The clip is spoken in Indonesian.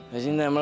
gak cinta sama lu